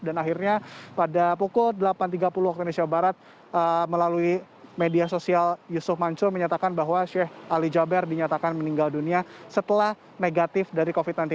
dan akhirnya pada pukul delapan tiga puluh waktu di indonesia barat melalui media sosial yusuf manco menyatakan bahwa sheikh ali jaber dinyatakan meninggal dunia setelah negatif dari covid sembilan belas